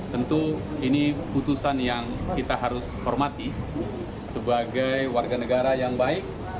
tentu ini putusan yang kita harus hormati sebagai warga negara yang baik